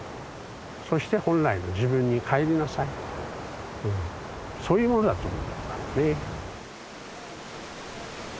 そして本来の自分にかえりなさいそういうものだということだね。